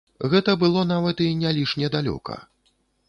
Гэта было нават і не лішне далёка.